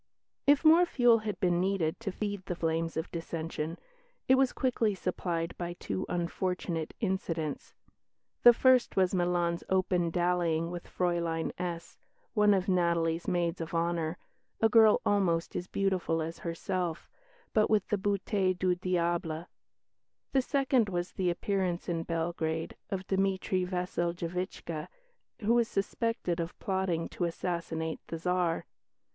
If more fuel had been needed to feed the flames of dissension, it was quickly supplied by two unfortunate incidents. The first was Milan's open dallying with Fräulein S , one of Natalie's maids of honour, a girl almost as beautiful as herself, but with the beauté de diable. The second was the appearance in Belgrade of Dimitri Wasseljevitchca, who was suspected of plotting to assassinate the Tsar.